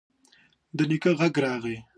د نيکه غږ راغی: